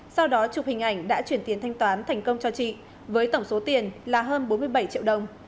sau đó chụp hình ảnh đã chuyển tiền thanh toán thành công cho chị với tổng số tiền là hơn bốn mươi bảy triệu đồng